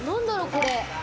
これ。